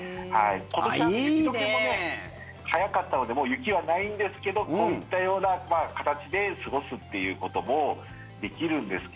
今年は雪解けも早かったのでもう雪はないんですけどこういったような形で過ごすっていうこともできるんですが。